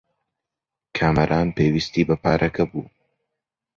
کامەران پێویستیی بە پارەکە بوو.